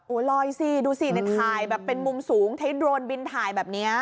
ลอยสิดูสิในถ่ายแบบเป็นมุมสูงใช้โดรนบินถ่ายแบบนี้